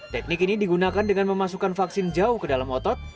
teknik ini digunakan dengan memasukkan vaksin jauh ke dalam otot